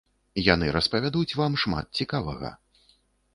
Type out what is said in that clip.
Яны распавядуць вам шмат цікавага.